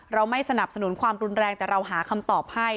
เราไม่สนับสนุนความรุนแรงแต่เราหาคำตอบให้